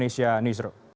terima kasih pak